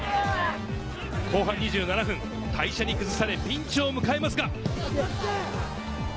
後半２７分、大社に崩されピンチを迎えますが。